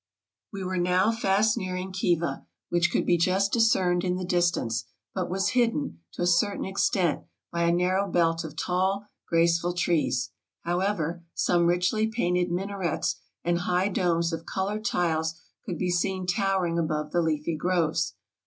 We were now fast nearing Khiva, which could be just discerned in the distance, but was hidden, to a certain ex tent, by a narrow belt of tall, graceful trees; however, some richly painted minarets and high domes of colored tiles could be seen towering above the leafy groves.